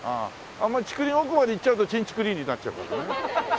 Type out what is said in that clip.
あんま竹林奥まで行っちゃうとちんちくりんになっちゃうからね。